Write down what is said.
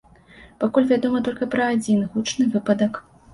Пакуль вядома толькі пра адзін гучны выпадак.